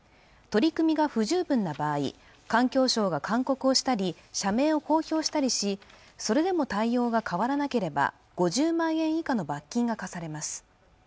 取り組みが不十分な場合環境省が勧告をしたり社名を公表したりしそれでも対応が変わらなければ５０万円以下の罰金が科されます